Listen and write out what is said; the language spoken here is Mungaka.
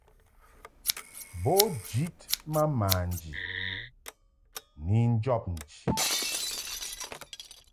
Bo njid ma manji ni njɔb nchi.